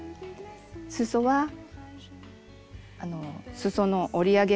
すそはすその折り上げ